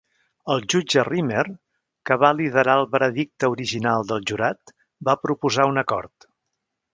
El jutge Rymer, que va liderar el veredicte original del jurat, va proposar un acord.